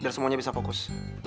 biar semuanya bisa fokus